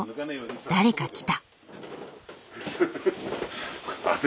誰か来た。